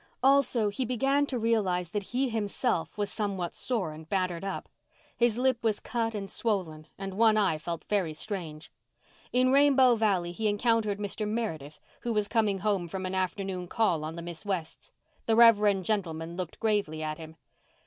Also, he began to realize that he himself was somewhat sore and battered up. His lip was cut and swollen and one eye felt very strange. In Rainbow Valley he encountered Mr. Meredith, who was coming home from an afternoon call on the Miss Wests. That reverend gentleman looked gravely at him.